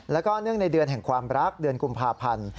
แล้วก็เนื่องในเดือนแห่งความรักเดือนกุมภาพันธ์